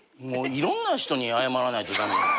いろんな人に謝らないと駄目。